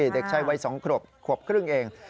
เด็กชายวัย๒ขวบครึ่งเอง